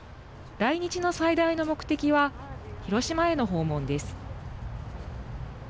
来日の最大の目的は広島への訪問です。